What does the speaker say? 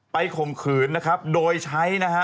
ข่มขืนนะครับโดยใช้นะฮะ